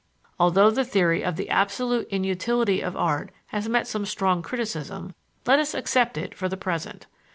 Although the theory of the absolute inutility of art has met some strong criticism, let us accept it for the present.